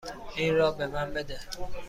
این را به من بده.